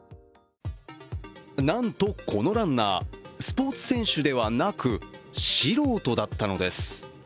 なんと、このランナー、スポーツ選手ではなく素人だったのです。